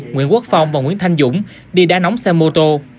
nguyễn quốc phong và nguyễn thanh dũng đi đá nóng xe mô tô